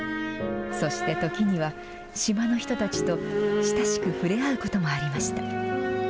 そして時には、島の人たちと親しく触れ合うこともありました。